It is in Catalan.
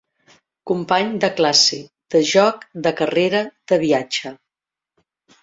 Company de classe, de joc, de carrera, de viatge.